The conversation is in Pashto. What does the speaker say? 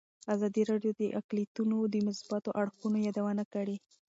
ازادي راډیو د اقلیتونه د مثبتو اړخونو یادونه کړې.